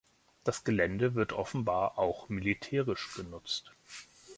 Das Gelände wird offenbar auch militärisch genutzt.